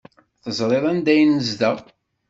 Teẓriḍ anda ay nezdeɣ?